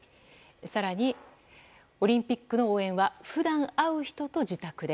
更に、オリンピックの応援は普段会う人と自宅で。